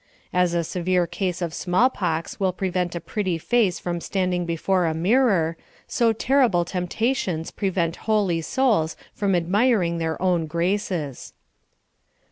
As a severe case of small pox will prevent a pretty face from standing be fore a mirror, so terrible temptations prevent holy souls from admiring their own graces.